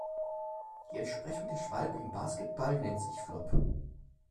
Die Entsprechung der Schwalbe im Basketball nennt sich Flop.